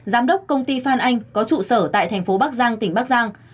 giám đốc công ty phan anh có trụ sở tại thành phố bắc giang tỉnh bắc giang